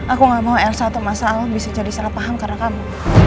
aku gak mau elsa atau masa alam bisa jadi salah paham karena kamu